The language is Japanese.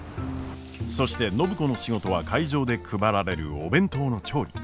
そして暢子の仕事は会場で配られるお弁当の調理。